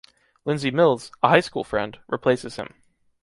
Lindsey Mills, a high school friend, replaces him.